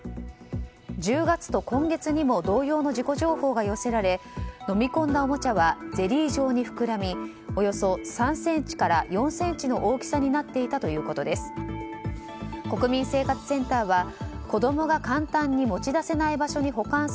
１０月と今月にも同様の事故情報が寄せられ、飲み込んだおもちゃはゼリー状に膨らみおよそ３ｃｍから４ｃｍの大きさになっていたということです。